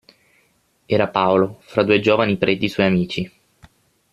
Era Paolo, fra due giovani preti suoi amici.